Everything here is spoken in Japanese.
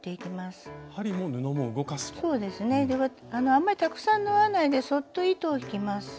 あんまりたくさん縫わないでそっと糸を引きます。